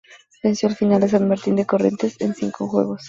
Venció en la final a San Martín de Corrientes en cinco juegos.